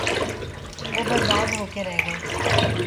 وہ برباد ہو کے رہ گئے۔